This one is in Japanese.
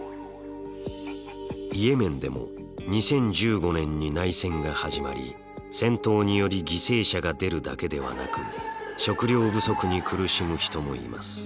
イエメンでも２０１５年に内戦が始まり戦闘により犠牲者が出るだけではなく食料不足に苦しむ人もいます。